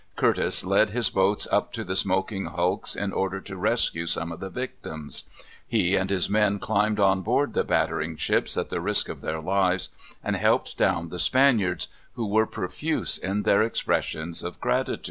Curtis led his boats up to the smoking hulks in order to rescue some of the victims. He and his men climbed on board the battering ships at the risk of their lives, and helped down the Spaniards, who were profuse in their expressions of gratitude.